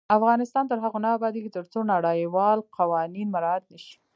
افغانستان تر هغو نه ابادیږي، ترڅو نړیوال قوانین مراعت نشي.